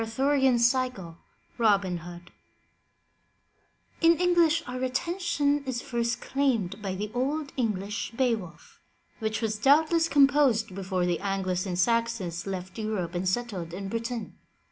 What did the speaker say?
tENGLISH EPICS BEOWULF, THE ARTHURIAN CYCLE, ROBIN HOOD N English our attention is first claimed by the Old English Beowulf, which was doubtless composed before the Angles and Saxons left Europe and settled in Britain.